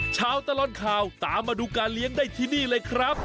ตลอดข่าวตามมาดูการเลี้ยงได้ที่นี่เลยครับ